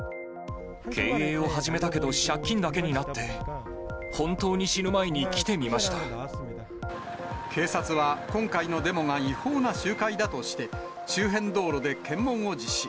経営を始めたけど、借金だけになって、警察は、今回のデモが違法な集会だとして、周辺道路で検問を実施。